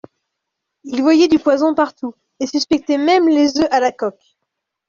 Il voyait du poison partout, et suspectait même les œufs à la coque.